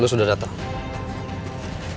lo sudah datang